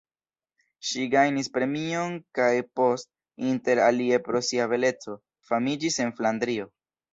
Ŝi gajnis premion kaj post, inter alie pro sia beleco, famiĝis en Flandrio.